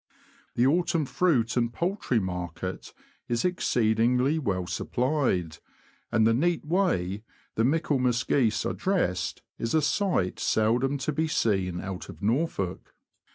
The autumn fruit and poultry market is exceedingly well supplied ; and the neat way the Michaelmas geese are dressed is a sight seldom to be seen out of Norfolk.